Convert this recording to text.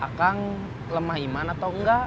akang lemah iman atau enggak